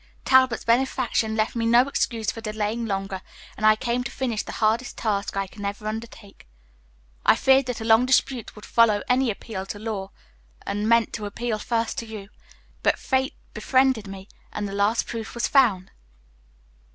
Talbot's benefaction left me no excuse for delaying longer, and I came to finish the hardest task I can ever undertake. I feared that a long dispute would follow any appeal to law, and meant to appeal first to you, but fate befriended me, and the last proof was found."